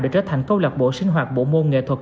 để trở thành câu lạc bộ sinh hoạt bộ môn nghệ thuật